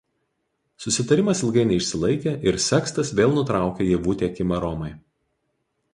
Susitarimas ilgai neišsilaikė ir Sekstas vėl nutraukė javų tiekimą Romai.